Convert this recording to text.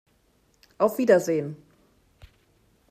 Auf Wiedersehen!